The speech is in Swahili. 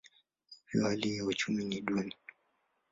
Hivyo hali ya uchumi ni duni.